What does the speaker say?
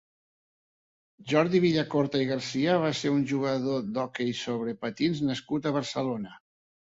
Jordi Villacorta i Garcia va ser un jugador d'hoquei sobre patins nascut a Barcelona.